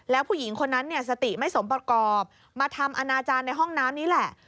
แล้วผู้หญิงคนนั้นเนี่ยสติไม่สมประกอบมาทำอนาจารย์ในห้องน้ำนี้แหละ